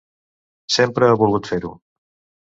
Sempre he volgut fer-ho!